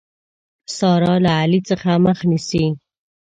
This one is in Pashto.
سارا له علي څخه مخ نيسي.